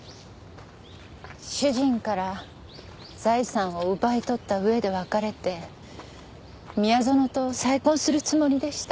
主人から財産を奪い取ったうえで別れて宮園と再婚するつもりでした。